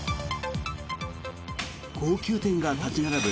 高級店が立ち並ぶ